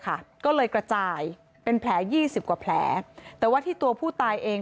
ก็เลยกระจายเป็นแผลยี่สิบกว่าแผลแต่ว่าที่ตัวผู้ตายเอง